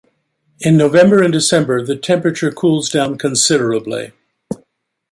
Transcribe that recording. In November and December, the temperature cools down considerably.